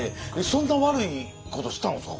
そんな悪いことしたんですか？